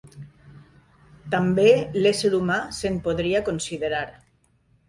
També l'ésser humà se'n podria considerar.